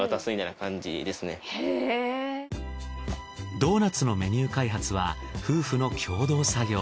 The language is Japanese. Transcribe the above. ドーナツのメニュー開発は夫婦の共同作業。